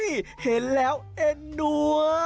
โอ๊ยเห็นแล้วเอ็นดัว